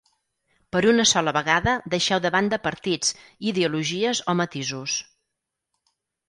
Per una sola vegada deixeu de banda partits, ideologies o matisos.